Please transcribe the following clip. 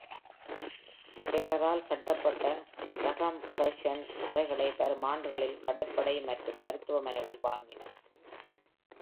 கெல்லரால் கட்டப்பட்ட டிகம்பரஷ்ஷன் அறைகளை வரும் ஆண்டுகளில் கடற்படை மற்றும் மருத்துவமனைகள் வாங்கின.